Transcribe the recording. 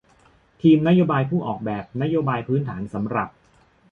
ทีมนโยบายผู้ออกแบบนโยบายพื้นฐานสำหรับ